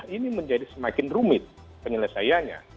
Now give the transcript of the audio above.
ini menjadi semakin rumit penyelesaiannya